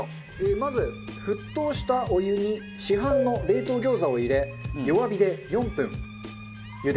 まず沸騰したお湯に市販の冷凍餃子を入れ弱火で４分茹でます。